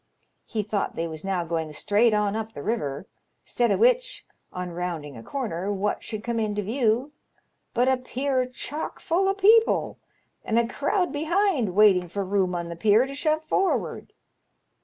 He thought they was now going straight on up the river ; 'stead o' which, on rounding a comer, what should come into view but a pier chock full o' people, and a crowd behind waiting for room on the pier to shove forward.